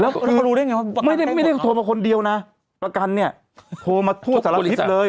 แล้วก็รู้ได้ไงว่าไม่ได้โทรมาคนเดียวนะประกันเนี่ยโทรมาทั่วสารทิศเลย